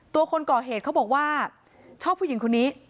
คนก่อเหตุเขาบอกว่าชอบผู้หญิงคนนี้